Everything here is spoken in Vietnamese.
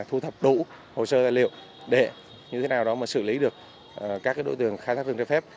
thu thập đủ hồ sơ liệu để như thế nào đó mà xử lý được các đối tượng khai thác rừng trái phép